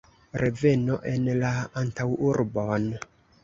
Reveno en la antaŭurbon.